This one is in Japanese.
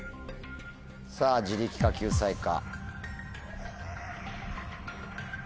さぁ自力か救済か。